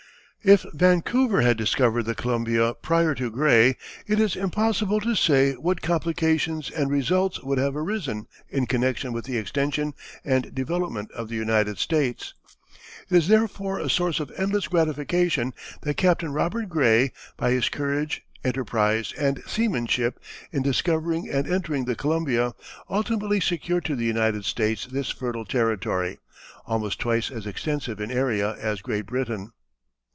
If Vancouver had discovered the Columbia prior to Gray, it is impossible to say what complications and results would have arisen in connection with the extension and development of the United States. It is therefore a source of endless gratification that Captain Robert Gray, by his courage, enterprise, and seamanship, in discovering and entering the Columbia, ultimately secured to the United States this fertile territory, almost twice as extensive in area as Great Britian.